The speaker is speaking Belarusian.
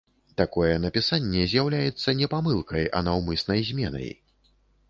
Такое напісанне з'яўляецца не памылкай, а наўмыснай зменай.